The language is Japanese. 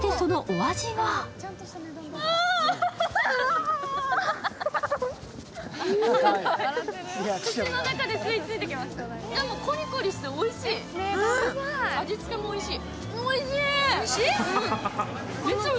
味つけもおいしい。